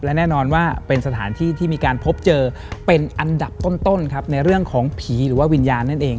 และแน่นอนว่าเป็นสถานที่ที่มีการพบเจอเป็นอันดับต้นครับในเรื่องของผีหรือว่าวิญญาณนั่นเอง